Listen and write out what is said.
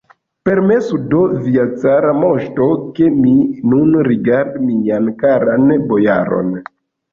Permesu do, via cara moŝto, ke mi nun rigardu mian karan bojaron!